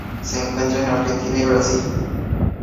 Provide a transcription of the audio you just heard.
Se encuentra en Argentina y Brasil.